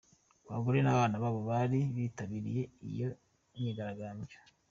Abagore n’abana nabo bari bitabiriye iyo myigaragambyo.